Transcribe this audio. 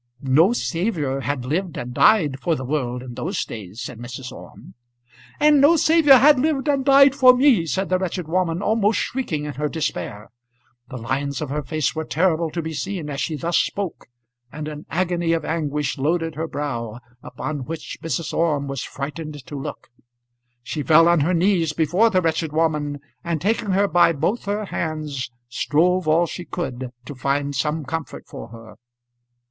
"No Saviour had lived and died for the world in those days," said Mrs. Orme. "And no Saviour had lived and died for me," said the wretched woman, almost shrieking in her despair. The lines of her face were terrible to be seen as she thus spoke, and an agony of anguish loaded her brow upon which Mrs. Orme was frightened to look. She fell on her knees before the wretched woman, and taking her by both her hands strove all she could to find some comfort for her.